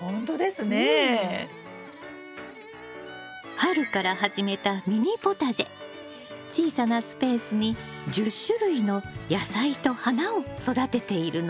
春から始めた小さなスペースに１０種類の野菜と花を育てているの。